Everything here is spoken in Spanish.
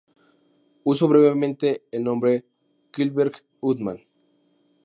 Usó brevemente el nombre Kjellberg-Uddmann.